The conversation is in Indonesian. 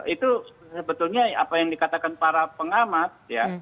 itu sebetulnya apa yang dikatakan para pengamat ya